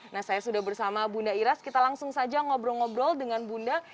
nah saya sudah bersama bunda iras kita langsung saja ngobrol ngobrol dengan bunda